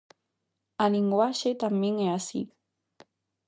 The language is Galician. A linguaxe tamén é así.